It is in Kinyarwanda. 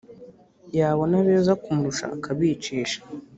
yabona abeza kumurusha, akabicisha